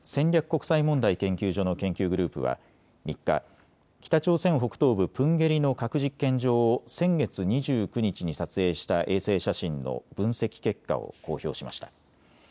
国際問題研究所の研究グループは３日、北朝鮮北東部プンゲリの核実験場を先月２９日に撮影した衛星写真の分析結果を公表しました。